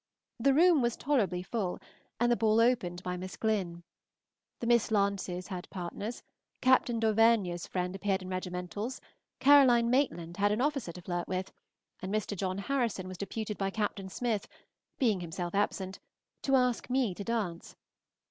The room was tolerably full, and the ball opened by Miss Glyn. The Miss Lances had partners, Captain Dauvergne's friend appeared in regimentals, Caroline Maitland had an officer to flirt with, and Mr. John Harrison was deputed by Captain Smith, being himself absent, to ask me to dance.